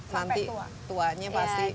nanti tuanya pasti tetap